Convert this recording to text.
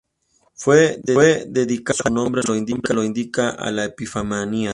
Fue dedicada como su nombre lo indica a la Epifanía.